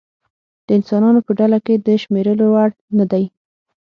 د انسانانو په ډله کې د شمېرلو وړ نه دی.